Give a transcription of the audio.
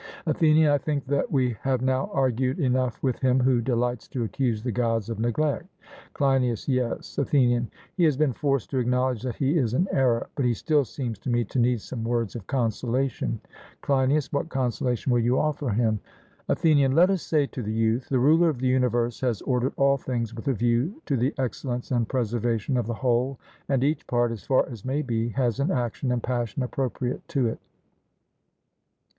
ATHENIAN: I think that we have now argued enough with him who delights to accuse the Gods of neglect. CLEINIAS: Yes. ATHENIAN: He has been forced to acknowledge that he is in error, but he still seems to me to need some words of consolation. CLEINIAS: What consolation will you offer him? ATHENIAN: Let us say to the youth: The ruler of the universe has ordered all things with a view to the excellence and preservation of the whole, and each part, as far as may be, has an action and passion appropriate to it.